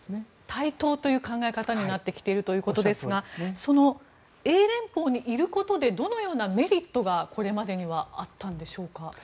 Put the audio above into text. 対等という考え方になってきているということですがその英連邦にいることでどのようなメリットがこれまでにはあったんでしょうか。